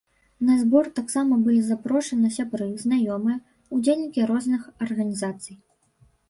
На збор таксама былі запрошаны сябры, знаёмыя, удзельнікі розных арганізацый.